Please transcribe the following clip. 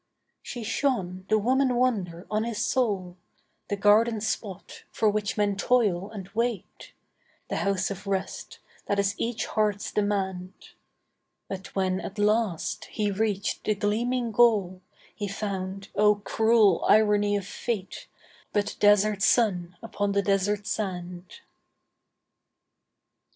She shone, the woman wonder, on his soul; The garden spot, for which men toil and wait; The house of rest, that is each heart's demand; But when, at last, he reached the gleaming goal, He found, oh, cruel irony of fate, But desert sun upon the desert sand.